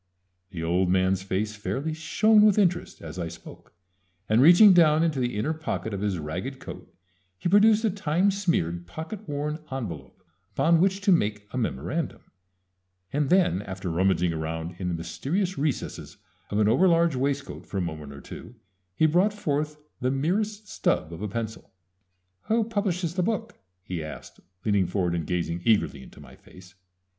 The old man's face fairly shone with interest as I spoke, and reaching down into the inner pocket of his ragged coat he produced a time smeared, pocket worn envelop upon which to make a memorandum, and then after rummaging around in the mysterious recesses of an over large waistcoat for a moment or two he brought forth the merest stub of a pencil. "Who publishes that book?" he asked, leaning forward and gazing eagerly into my face.